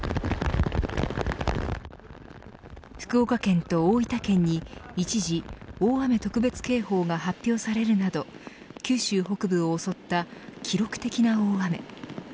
福岡県と大分県に一時大雨特別警報が発表されるなど九州北部を襲った記録的な大雨。